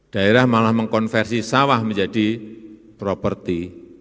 daerah malah mengkonversi sawah menjadi properti